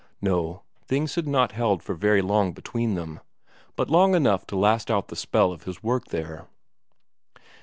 No, things had not held for so very long between them but long enough to last out the spell of his work there.